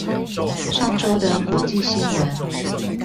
上週的國際新聞